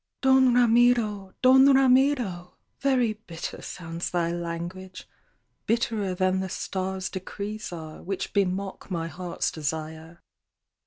"Don Ramiro! Don Ramiro! Very bitter sounds thy language, Bitterer than the stars' decrees are, Which bemock my heart's desire.